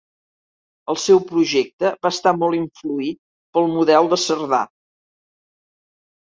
El seu projecte va estar molt influït pel model de Cerdà.